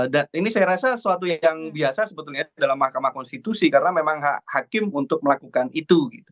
dan ini saya rasa sesuatu yang biasa sebetulnya dalam mahkamah konstitusi karena memang hakim untuk melakukan itu